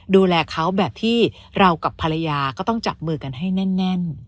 ดูแลเขาแบบที่เรากับภรรยาก็ต้องจับมือกันให้แน่น